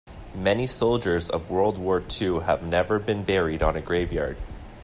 Many soldiers of world war two have never been buried on a grave yard.